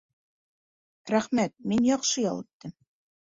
Рәхмәт, мин яҡшы ял иттем.